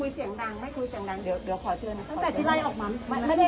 อันนี้ไม่ใช่คนของศาลากภัทรแค่เอาเสื้อเขามาใส่